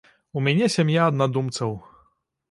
У мяне сям'я аднадумцаў.